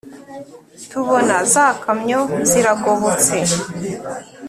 tubona za kamyo ziragobotse